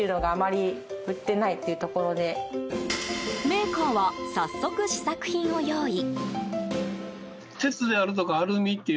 メーカーは早速、試作品を用意。